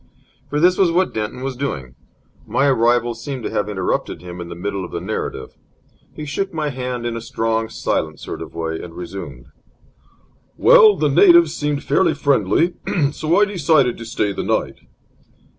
For this was what Denton was doing. My arrival seemed to have interrupted him in the middle of narrative. He shook my hand in a strong, silent sort of way, and resumed: "Well, the natives seemed fairly friendly, so I decided to stay the night."